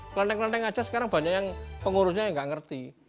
kelenteng kelenteng saja sekarang banyak yang pengurusnya yang tidak mengerti